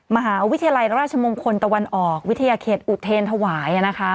มหาวิทยาลัยราชมงคลตะวันออกวิทยาเขตอุเทรนถวาย